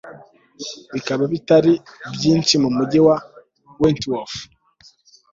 Bikaba bitari byinshi mumujyi wa Wentworth